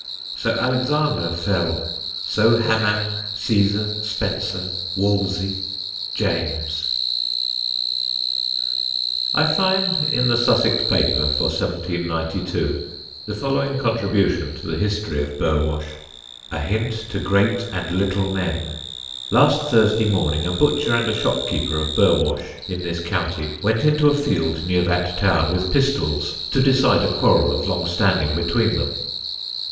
So Alexander fell, So Haman, Cæsar, Spenser, Wolsey, James. [Sidenote: A STRATEGIC DUELLIST] I find in the Sussex paper for 1792 the following contribution to the history of Burwash: "A Hint to Great and Little Men. Last Thursday morning a butcher and a shopkeeper of Burwash, in this County, went into a field near that town, with pistols, to decide a quarrel of long standing between them.